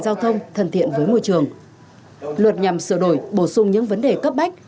giao thông thân thiện với môi trường luật nhằm sửa đổi bổ sung những vấn đề cấp bách